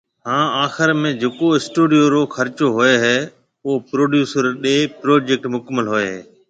ھان آخر ۾ جڪو اسٽوڊيو رو خرچو ھوئي ھيَََ او پروڊيوسر ڏي پروجيڪٽ مڪمل ھوئي ھيَََ